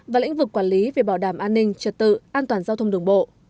và lĩnh vực quản lý về bảo đảm an ninh trật tự an toàn giao thông đường bộ